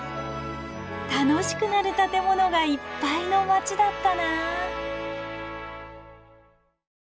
楽しくなる建物がいっぱいの街だったな。